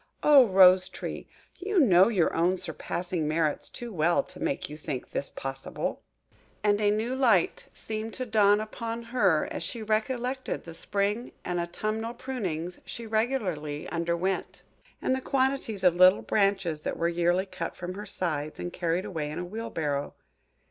Oh, Rose tree, you know your own surpassing merits too well to make you think this possible!" And so she did, and a new light seemed to dawn upon her as she recollected the spring and autumnal prunings she regularly underwent, and the quantities of little branches that were yearly cut from her sides, and carried away in a wheel barrow.